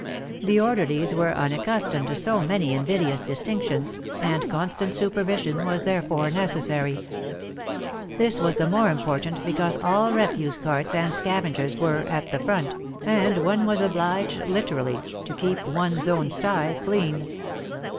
The orderlies were unaccustomed to so many invidious distinctions, and constant supervision was therefore necessary. This was the more important because all refuse carts and scavengers were "at the front," and one was obliged literally to keep one's own stye clean."